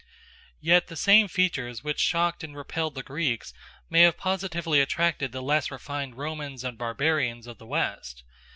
Yet the same features which shocked and repelled the Greeks may have positively attracted the less refined Romans and barbarians of the West.